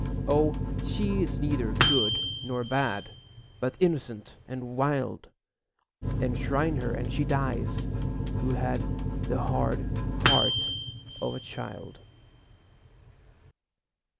O, she is neither good nor bad, But innocent and wild! Enshrine her and she dies, who had The hard heart of a child.